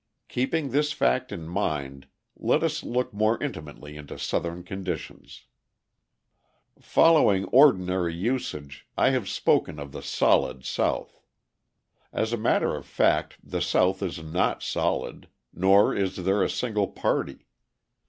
Keeping this fact in mind, let us look more intimately into Southern conditions. Following ordinary usage I have spoken of the Solid South. As a matter of fact the South is not solid, nor is there a single party.